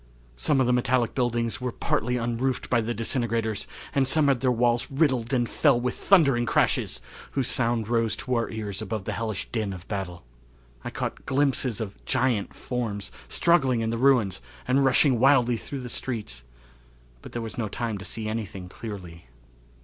Some of the metallic buildings were partly unroofed by the disintegrators and some had their walls riddled and fell with thundering crashes, whose sound rose to our ears above the hellish din of battle. I caught glimpses of giant forms struggling in the ruins and rushing wildly through the streets, but there was no time to see anything clearly.